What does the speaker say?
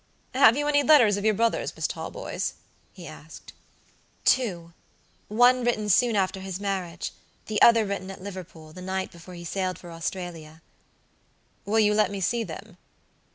"Have you any letters of your brother's, Miss Talboys?" he asked. "Two. One written soon after his marriage, the other written at Liverpool, the night before he sailed for Australia." "Will you let me see them?"